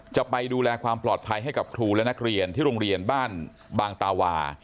จะไปดูแลความปลอดภัยให้กับครูและนักเรียนที่โรงเรียนบ้านบางตาวา